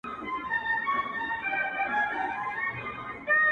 • په كوڅه كي څراغ نه وو توره شپه وه -